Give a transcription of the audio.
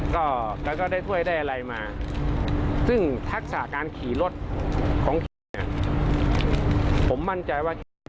ก็ก็ก็ได้ถ้วยได้อะไรมาซึ่งทักษาการขี่รถของผมมั่นใจว่า